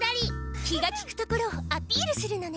気がきくところをアピールするのね。